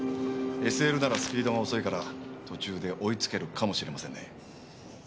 ＳＬならスピードが遅いから途中で追い付けるかもしれませんね。